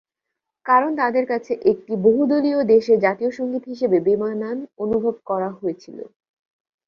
কারণ তাদের কাছে একটি বহুদলীয় দেশের জাতীয় সঙ্গীত হিসেবে বেমানান অনুভব করা হয়েছিল।